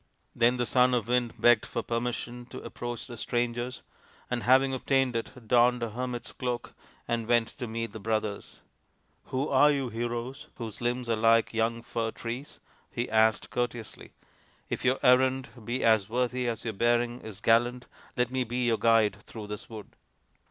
Then the Son of the Wind begged for permission to approach the strangers, and, having obtained it, donned a hermit's cloak and went to meet the brothers. " Who are you, heroes, whose limbs are like young fir trees ?" he asked courteously. " If your errand be as worthy as your bearing is gallant, let me be your guide through this wood."